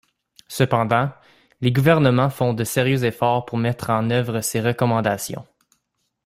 Cependant, les gouvernements font de sérieux efforts pour mettre en œuvre ces recommandations.